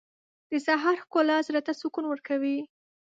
• د سهار ښکلا زړه ته سکون ورکوي.